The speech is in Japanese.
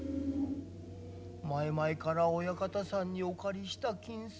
前々から親方さんにお借りした金子。